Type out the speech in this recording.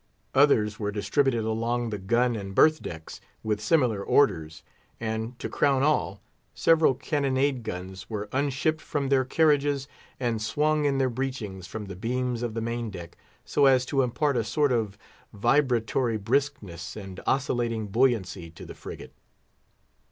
Others were distributed along the gun and berth decks, with similar orders; and, to crown all, several carronade guns were unshipped from their carriages, and swung in their breechings from the beams of the main deck, so as to impart a sort of vibratory briskness and oscillating buoyancy to the frigate.